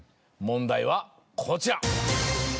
問題はこちら！